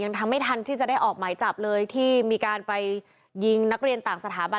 ทำไม่ทันที่จะได้ออกหมายจับเลยที่มีการไปยิงนักเรียนต่างสถาบัน